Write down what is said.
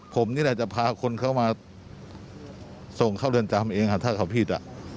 ผมนี่แหละจะพาคนเข้ามาส่งเข้าเรือนจำเองถ้าเขาผิด